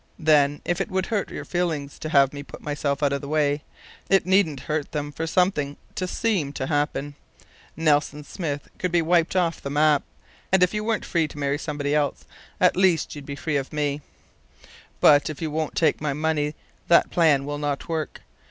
Then, if it would hurt your feelings to have me put myself out of the way, it needn't hurt them for something to seem to happen. Nelson Smith could be wiped off the map; and if you weren't free to marry somebody else, at least you'd be free of me. "But if you won't take my money that plan will not work.